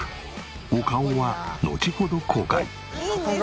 お顔はのちほど公開。